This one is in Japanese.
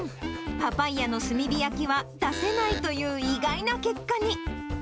パパイヤの炭火焼きは出せないという意外な結果に。